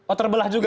oh terbelah juga